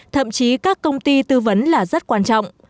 thậm chí các công ty tư vấn là rất quan trọng